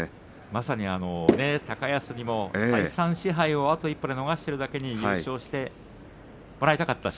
まさに高安にも再三賜盃をあと一歩で逃しているだけに優勝してもらいたかった。